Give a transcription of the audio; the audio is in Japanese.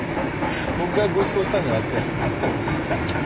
僕がごちそうしたんじゃなくてあのおじいちゃんね。